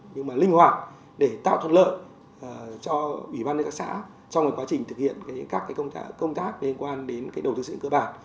nhưng mà linh hoạt để tạo thuận lợi cho ủy ban nhân dân các xã trong quá trình thực hiện các công tác liên quan đến đầu tư xuyên cơ bản